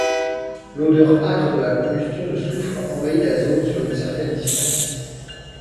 L'odeur âcre de la combustion de soufre envahit la zone sur une certaine distance.